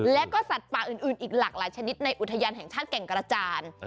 และก็สัตว์ป่าอื่นอีกหลากหลายชนิดในอุทยานแห่งชาติแก่งกระจาน